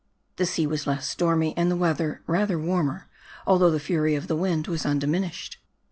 The sea was less stormy, and the weather rather warmer, although the fury of the wind was undiminished.